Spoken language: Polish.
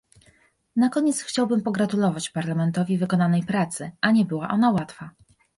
Na koniec chciałbym pogratulować Parlamentowi wykonanej pracy, a nie była ona łatwa